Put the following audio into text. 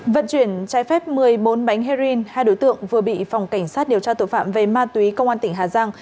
vận chuyển trái phép một mươi bốn bánh heroin hai đối tượng vừa bị phòng cảnh sát điều tra tội phạm về ma túy công an tỉnh hà giang